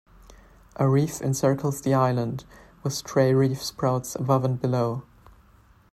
A reef encircles the island, with stray reef sprouts above and below.